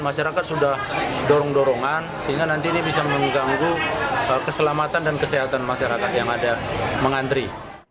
masyarakat sudah dorong dorongan sehingga nanti ini bisa mengganggu keselamatan dan kesehatan masyarakat yang ada mengantri